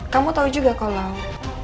kamu tau juga kalau